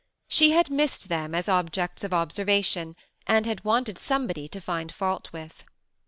She had missed them as objects of observation, and had wanted somebody to find fault with.